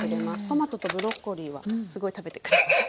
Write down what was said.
トマトとブロッコリーはすごい食べてくれます。